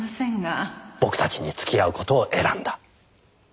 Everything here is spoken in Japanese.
僕たちに付き合う事を選んだ。